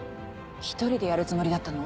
１人でやるつもりだったの？